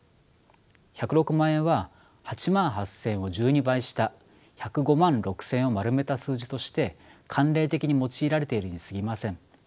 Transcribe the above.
１０６万円は８万８，０００円を１２倍した１０５万６，０００円を丸めた数字として慣例的に用いられているにすぎません。